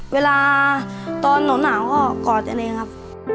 เวลาตอนหนกหนาวก็กอดอันนี้ครับ